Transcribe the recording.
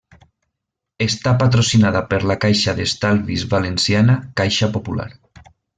Està patrocinada per la caixa d'estalvis valenciana Caixa Popular.